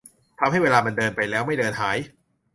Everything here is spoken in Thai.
ทำให้เวลามันเดินไปแล้วไม่เดินหาย